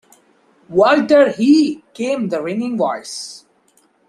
“Walter he!” came the ringing voice.